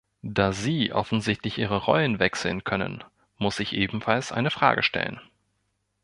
Da Sie offensichtlich Ihre Rollen wechseln können, muss ich ebenfalls eine Frage stellen.